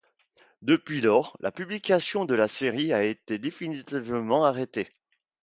Depuis lors, la publication de la série a été définitivement arrêté.